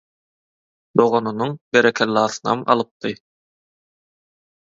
Doganynyň «berekellasynam» alypdy.